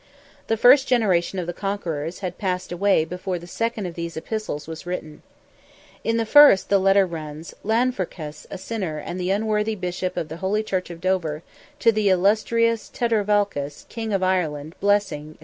The first generation of the conquerors had passed away before the second of these epistles was written. In the first, the address runs—"Lanfrancus, a sinner, and the unworthy Bishop of the Holy Church of Dover, to the illustrious Terdelvacus, King of Ireland, blessing," &c.